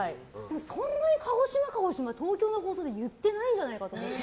そんなに鹿児島、鹿児島東京の放送で言ってないんじゃないかと思って。